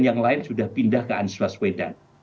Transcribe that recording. yang lain sudah pindah ke anies baswedan